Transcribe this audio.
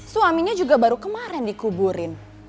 suaminya juga baru kemarin dikuburin